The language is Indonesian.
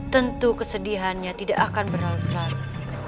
tentu kesedihannya tidak akan berlalu lalu